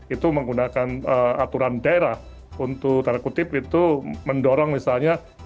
itu menggunakan aturan daerah untuk tanda kutip itu mendorong misalnya